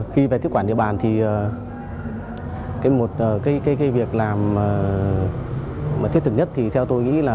khi về tiếp quản địa bàn thì một cái việc làm thiết thực nhất thì theo tôi nghĩ là